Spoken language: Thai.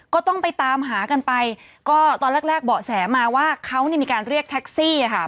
ก็ต้องไปตามหากันไปก็ตอนแรกแรกเบาะแสมาว่าเขาเนี่ยมีการเรียกแท็กซี่ค่ะ